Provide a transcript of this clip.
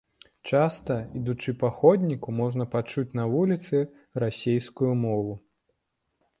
Часта, ідучы па ходніку, можна пачуць на вуліцы расейскую мову.